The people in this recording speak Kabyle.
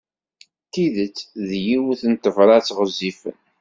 D tidet, d yiwet n tebrat ɣezzifen.